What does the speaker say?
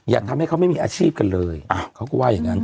อย่าทำให้เขาไม่มีอาชีพกันเลยเขาก็ว่าอย่างนั้น